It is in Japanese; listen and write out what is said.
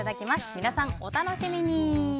皆さん、お楽しみに。